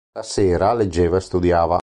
La sera leggeva e studiava.